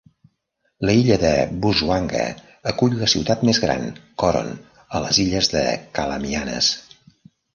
L'illa de Busuanga acull la ciutat més gran, Coron, a les illes de Calamianes.